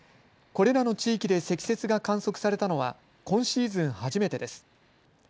これらの地域で積雪が観測されたのは今シーズン初めてです。